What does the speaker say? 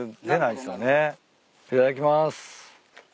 いただきます。